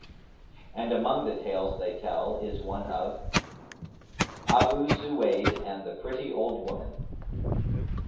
And among the tales they tell is one of ABU SUWAYD AND THE PRETTY OLD WOMAN.